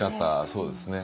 そうですね。